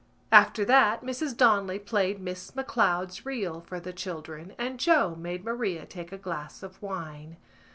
After that Mrs Donnelly played Miss McCloud's Reel for the children and Joe made Maria take a glass of wine.